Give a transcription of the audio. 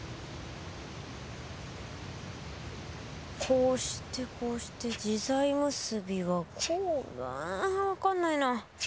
こうしてこうして自在結びはこう分かんないな。